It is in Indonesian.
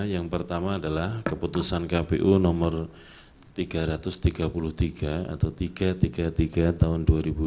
yang pertama adalah keputusan kpu nomor tiga ratus tiga puluh tiga atau tiga ratus tiga puluh tiga tahun dua ribu dua puluh